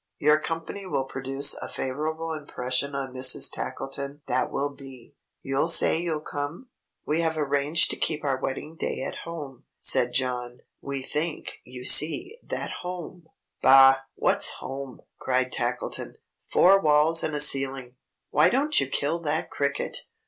Your company will produce a favorable impression on Mrs. Tackleton that will be. You'll say you'll come?" "We have arranged to keep our wedding day at home," said John. "We think, you see, that home " "Bah! What's home?" cried Tackleton. "Four walls and a ceiling! Why don't you kill that cricket?